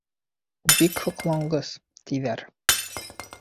— Бик һоҡланғыс, тиҙәр.